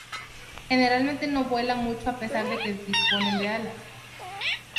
Generalmente no vuelan mucho a pesar de que disponen de alas.